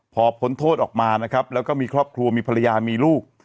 พอผลโทษออกมาแล้วก็มีครอบครัวมีภรรยามีลูก